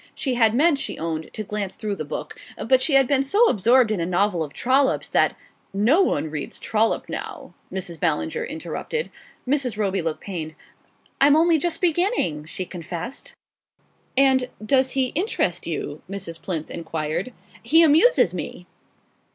She had meant, she owned, to glance through the book; but she had been so absorbed in a novel of Trollope's that "No one reads Trollope now," Mrs. Ballinger interrupted. Mrs. Roby looked pained. "I'm only just beginning," she confessed. "And does he interest you?" Mrs. Plinth enquired. "He amuses me."